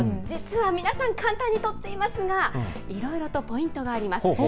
実は皆さん、簡単に撮っていますが、いろいろとポイントがあります。